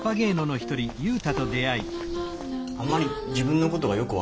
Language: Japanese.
あんまり自分のことがよく分かってないんですよ